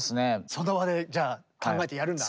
その場でじゃあ考えてやるんだあるもので。